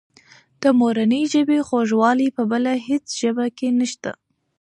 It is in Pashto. د مورنۍ ژبې خوږوالی په بله هېڅ ژبه کې نشته.